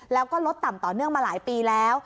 แล้วก็ลดต่ำต่อเนื่องมาหลายปีแล้ว